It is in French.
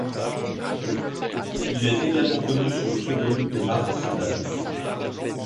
Il est également connu sous le pseudonyme de Marc Saudade.